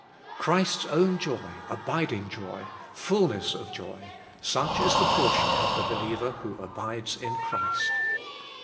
Christ's own joy, abiding joy, fulness of joy,— such is the portion of the believer who abides in Christ.